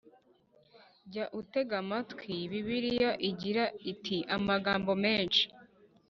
Jya utega amatwi bibiliya igira iti amagambo menshi